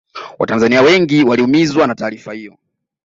watanzania wengi waliumizwa na taarifa hiyo